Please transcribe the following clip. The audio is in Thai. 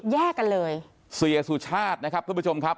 แยกกันเลยเสียสุชาตินะครับทุกผู้ชมครับ